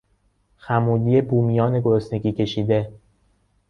خمودی بومیان گرسنگی کشیده